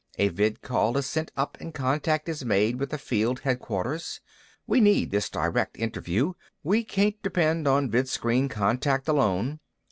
A vidcall is sent up and contact is made with a field headquarters. We need this direct interview; we can't depend on vidscreen contact alone.